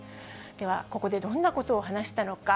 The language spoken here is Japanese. ではここで、どんなことを話したのか。